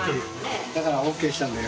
だからＯＫしたんだよ。